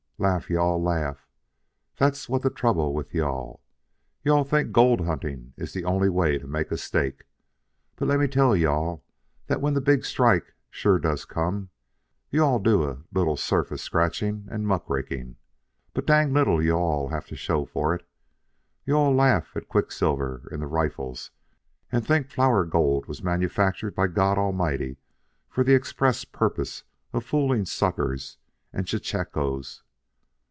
"Laugh, you all, laugh! That's what's the trouble with you all. You all think gold hunting is the only way to make a stake. But let me tell you all that when the big strike sure does come, you all'll do a little surface scratchin' and muck raking, but danged little you all'll have to show for it. You all laugh at quicksilver in the riffles and think flour gold was manufactured by God Almighty for the express purpose of fooling suckers and chechaquos.